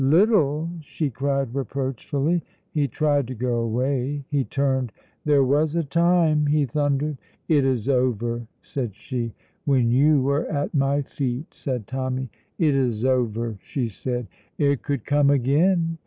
"Little!" she cried reproachfully. He tried to go away. He turned. "There was a time," he thundered. "It is over," said she. "When you were at my feet," said Tommy. "It is over," she said. "It could come again!"